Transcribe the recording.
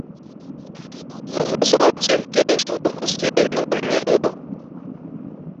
Vʉvʉ́ʼ nsάʼ ntieʼ ntə́nthʉ́ mα pō sē nnāk nehē lά.